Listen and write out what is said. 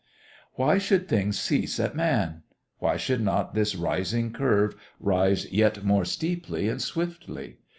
Why should things cease at man? Why should not this rising curve rise yet more steeply and swiftly?